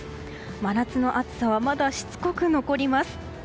真夏の暑さはまだしつこく残ります。